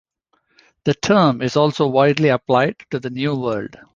The term is also widely applied to the New World.